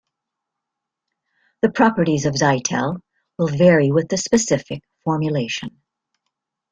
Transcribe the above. The properties of Zytel will vary with the specific formulation.